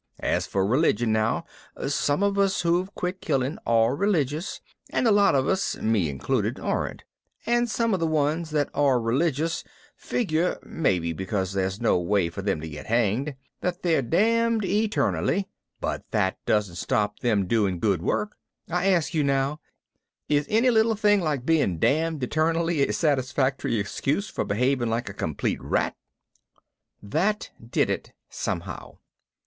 As for religion now some of us who've quit killing are religious and a lot of us (me included) aren't; and some of the ones that are religious figure (maybe because there's no way for them to get hanged) that they're damned eternally but that doesn't stop them doing good work. I ask you now, is any little thing like being damned eternally a satisfactory excuse for behaving like a complete rat?" That did it, somehow.